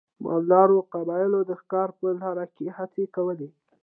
مالدارو قبیلو د ښکار په لاره کې هڅې کولې.